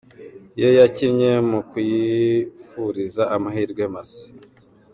ye yakinnye mu kuyifuriza amahirwe masa.